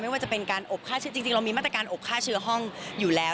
ว่าจะเป็นการอบฆ่าเชื้อจริงเรามีมาตรการอบฆ่าเชื้อห้องอยู่แล้ว